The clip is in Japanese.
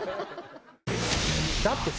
だってさ